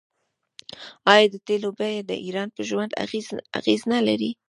آیا د تیلو بیه د ایران په ژوند اغیز نلري؟